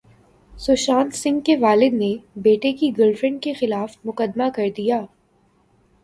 سشانت سنگھ کے والد نے بیٹے کی گرل فرینڈ کےخلاف مقدمہ کردیا